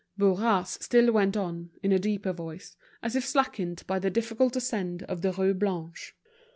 Bourras still went on, in a deeper voice, as if slackened by the difficult ascent of the Rue Blanche.